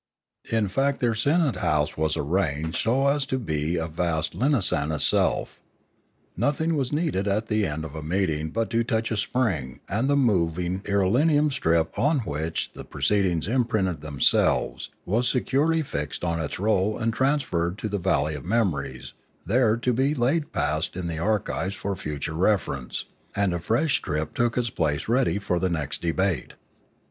In fact their senate house was arranged so as to be a vast linasan itself. Nothing was needed at the end of a meeting but to touch a spring, and the mov ing irelium strip, on which the proceedings imprinted themselves, was securely fixed on its roll and trans ferred to the valley of memories there to be laid past in the archives for future reference, and a fresh strip took its place ready for the next debate.